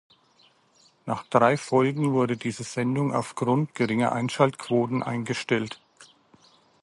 Nach drei Folgen wurde diese Sendung aufgrund geringer Einschaltquoten eingestellt.